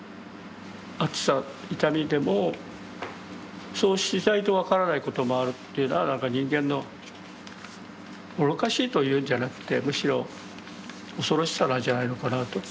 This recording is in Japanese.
熱さ痛みでもそうしないと分からないこともあるというのはなんか人間の愚かしいというんじゃなくてむしろ恐ろしさなんじゃないのかなと思います。